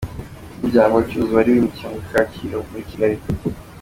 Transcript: Umuryango wa Cyuzuzo wari wimukiye ku Kacyiru mu i Kigali.